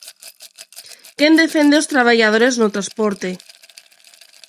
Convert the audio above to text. ¿Quen defende os traballadores no transporte?